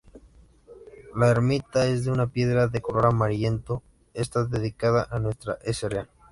La ermita es de una piedra de color amarillento, está dedicada a Nuestra Sra.